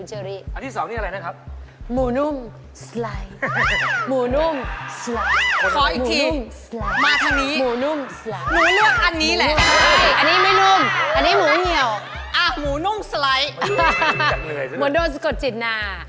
หมูโดนกดจิตนา